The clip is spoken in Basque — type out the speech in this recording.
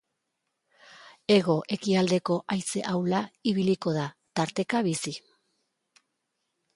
Hego-ekialdeko haize ahula ibiliko da, tarteka bizi.